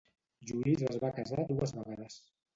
Lluís es va casar dues vegades.